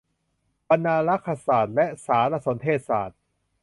บรรณารักษศาสตร์และสารสนเทศศาสตร์